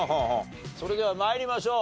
それでは参りましょう。